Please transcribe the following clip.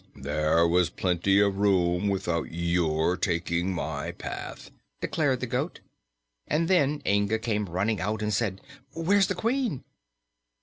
"There was plenty of room without your taking my path," declared the goat. And then Inga came running out and said. "Where is the Queen?"